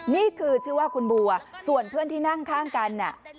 นี่คือชื่อว่าคุณบัวส่วนเพื่อนที่นั่งข้างกัน